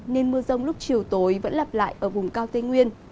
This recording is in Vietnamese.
nên mưa rông lúc chiều tối vẫn lặp lại ở vùng cao tây nguyên